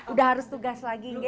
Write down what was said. udah harus tugas lagi